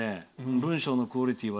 文章のクオリティーは。